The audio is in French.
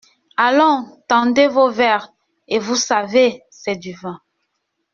Allons ! tendez vos verres… et vous savez, c’est du vin !